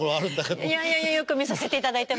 いやいやよく見させていただいてますよ。